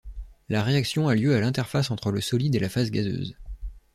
La réaction a lieu à l'interface entre le solide et la phase gazeuse.